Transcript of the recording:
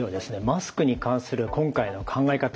マスクに関する今回の考え方